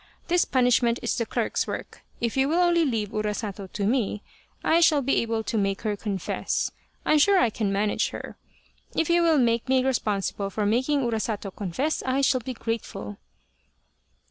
This punishment is the clerk's work. If you will only leave Urasato to me I shall be able to make her confess. I am sure I can manage her. If you will make me responsible for making Urasato confess, I shall be grateful."